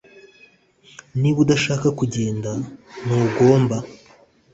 niba udashaka kugenda, ntugomba